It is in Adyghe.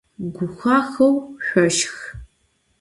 Guxaxhou şsoşşx!